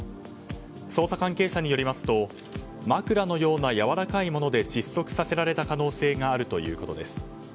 捜査関係者によりますと枕のようなやわらかいもので窒息させられた可能性があるということです。